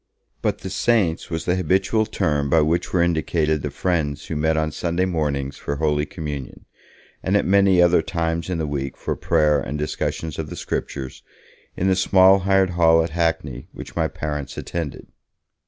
But 'the saints' was the habitual term by which were indicated the friends who met on Sunday mornings for Holy Communion, and at many other times in the week for prayer and discussion of the Scriptures, in the small hired hall at Hackney, which my parents attended.